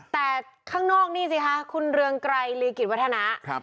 แต่ข้างนอกนี่สิคะคุณเรืองไกรลีกิจวัฒนะ